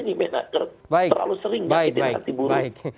terlalu sering baik baik